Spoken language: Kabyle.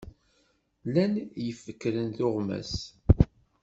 Lan yifekren tuɣmas?